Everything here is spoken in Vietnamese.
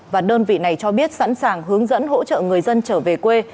và đơn vị này cho biết sẵn sàng hướng dẫn hỗ trợ người dân trở về quê